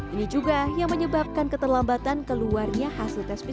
ini juga yang menyebabkan keterlambatan keluarnya hasil tes pcr